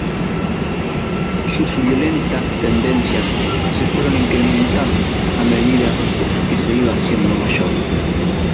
Sus violentas tendencias se fueron incrementando a medida que se iba haciendo mayor.